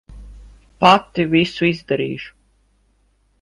Pati visu izdarīšu.